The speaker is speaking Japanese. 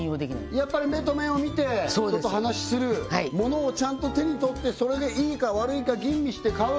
やっぱり目と目を見て人と話する物をちゃんと手に取ってそれでいいか悪いか吟味して買う